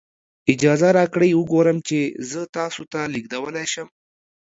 اجازه راکړئ وګورم چې زه تاسو ته لیږدولی شم.